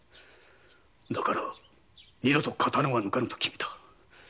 だから「二度と刀は抜かぬ」と決めた。